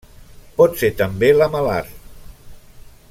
Pot ser també lamel·lar.